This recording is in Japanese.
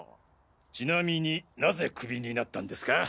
ちなみになぜクビになったんですか？